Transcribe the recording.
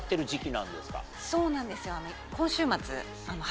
そうなんですよ。